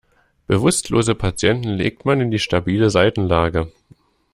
Bewusstlose Patienten legt man in die stabile Seitenlage.